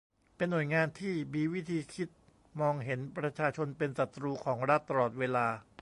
เป็นหน่วยงานที่มีวิธีคิดมองเห็นประชาชนเป็นศัตรูของรัฐตลอดเวลา